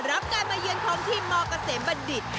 รับการมาเยือนของทีมมเกษมบัณฑิต